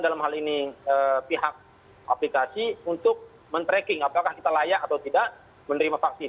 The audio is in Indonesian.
dalam hal ini pihak aplikasi untuk men tracking apakah kita layak atau tidak menerima vaksin